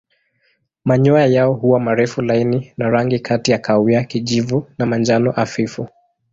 Manyoya yao huwa marefu laini na rangi kati ya kahawia kijivu na manjano hafifu.